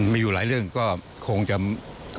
มีอยู่หลายเรื่องก็คงจะ